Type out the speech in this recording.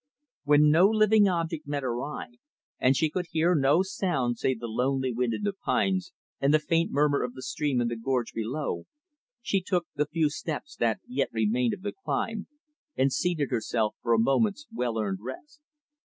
When no living object met her eye, and she could hear no sound save the lonely wind in the pines and the faint murmur of the stream in the gorge below, she took the few steps that yet remained of the climb, and seated herself for a moment's well earned rest.